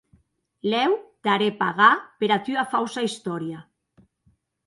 Lèu te harè pagar pera tua fausa istòria.